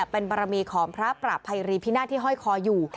เป็นบารมีของพระประภัยรีพินาศที่ห้อยคออยู่